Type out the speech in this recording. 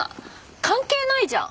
関係ないじゃん。